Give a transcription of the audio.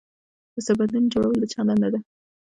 د سربندونو جوړول د چا دنده ده؟